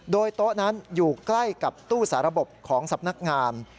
โดยโต๊ะนั้นอยู่ใกล้กับตู้สาระบบของสำนักงาน